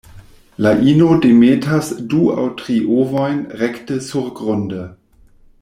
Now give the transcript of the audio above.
La ino demetas du aŭ tri ovojn rekte surgrunde.